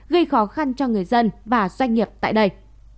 gây khó khăn cho người dân và doanh nghiệp tại đây